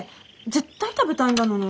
絶対食べたいんだのに。